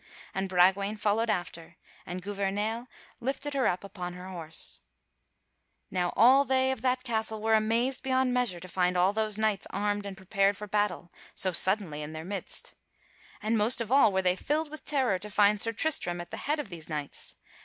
And Bragwaine followed after, and Gouvernail lifted her up upon her horse. [Sidenote: Sir Tristram taketh Belle Isoult away from Tintagel] Now all they of that castle were amazed beyond measure to find all those knights armed and prepared for battle so suddenly in their midst. And most of all were they filled with terror to find Sir Tristram at the head of these knights.